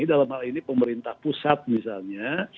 dalam hal ini pemerintah pusat misalnya